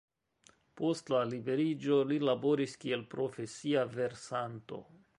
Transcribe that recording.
Post la liberiĝo li laboris kiel profesia versanto.